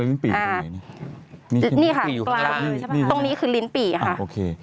นี่ค่ะตรงนี้คือลิ้นปี่ค่ะ